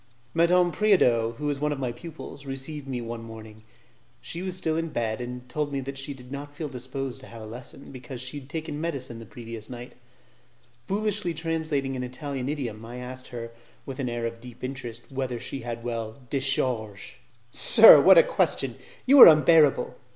Madame Preodot, who was one of my pupils, received me one morning; she was still in bed, and told me that she did not feel disposed to have a lesson, because she had taken medicine the night previous. Foolishly translating an Italian idiom, I asked her, with an air of deep interest, whether she had well 'decharge'? "Sir, what a question! You are unbearable."